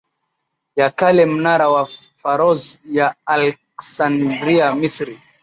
ya Kale Mnara wa Pharos ya Aleksandria Misri